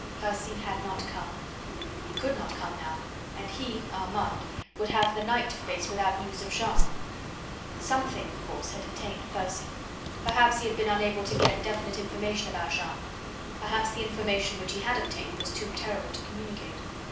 Percy had not come. He could not come now, and he (Armand) would have the night to face without news of Jeanne. Something, of course, had detained Percy; perhaps he had been unable to get definite information about Jeanne; perhaps the information which he had obtained was too terrible to communicate.